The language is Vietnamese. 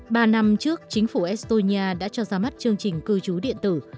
ba năm trước chính phủ estonia đã cho ra mắt chương trình cư trú điện tử